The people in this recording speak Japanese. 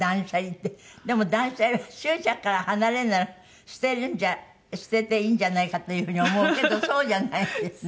でも断捨離は執着から離れるなら捨てるんじゃ捨てていいんじゃないかという風に思うけどそうじゃないんですね？